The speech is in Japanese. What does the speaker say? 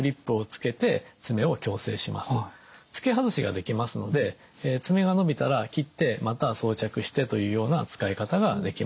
付け外しができますので爪が伸びたら切ってまた装着してというような使い方ができます。